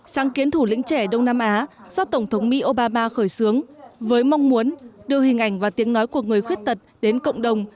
sáng kiến thủ lĩnh trẻ đông nam á do tổng thống mỹ obama khởi xướng với mong muốn đưa hình ảnh và tiếng nói của người khuyết tật đến cộng đồng